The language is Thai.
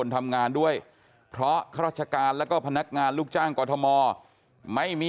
ทางความชีพมันก็น้อย